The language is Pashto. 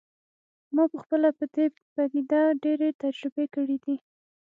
ما پخپله په دې پدیده ډیرې تجربې کړي دي